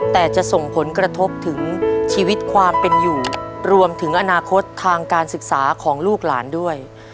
แต่จะส่งผลกระทบถึงชีวิตความเป็นอยู่รวมถึงอนาคตทางการศึกษาของลูกหลานด้วย